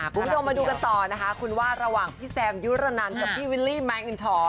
คุณผู้ชมมาดูกันต่อนะคะคุณว่าระหว่างพี่แซมยุรนันกับพี่วิลลี่แมคอินชอ